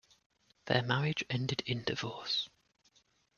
Their marriage ended in divorce.